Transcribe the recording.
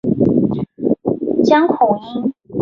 江孔殷。